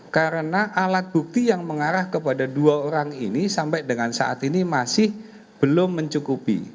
karena alat bukti yang mengarah kepada dua orang ini sampai dengan saat ini masih belum mencukupi